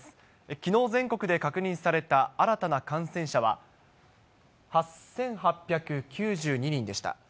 きのう、全国で確認された新たな感染者は８８９２人でした。